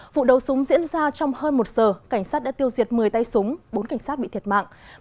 vụ đấu súng diễn ra trong hơn một giờ cảnh sát đã tiêu diệt một mươi tay súng bốn cảnh sát bị thiệt mạng